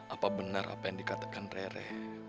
apa benar apa yang dikatakan rere